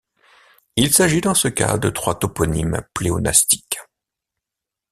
Il s’agit dans ce cas de trois toponymes pléonastiques.